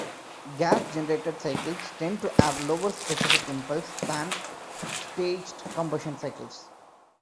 Gas-generator cycles tend to have lower specific impulse than staged combustion cycles.